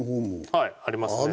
はいありますね。